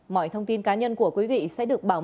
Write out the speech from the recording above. mọi thông tin cá nhân của quý vị sẽ được bảo mật